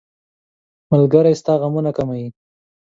ملګری ستا غمونه کموي.